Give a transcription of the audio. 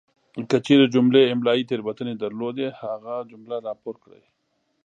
کچیري جملې املائي تیروتنې درلودې هغه جمله راپور کړئ!